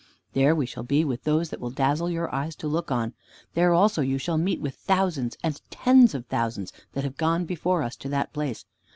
"There we shall be with those that will dazzle your eyes to look on. There also you shall meet with thousands and tens of thousands that have gone before us to that place.